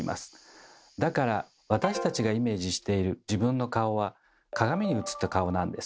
だから私たちがイメージしている自分の顔は鏡にうつった顔なんです。